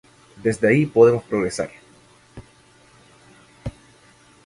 Desde ahí podemos progresar.""".